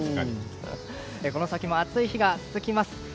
この先も暑い日が続きます。